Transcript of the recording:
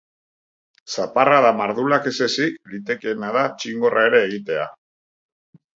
Zaparrada mardulak ez ezik, litekeena da txingorra ere egitea.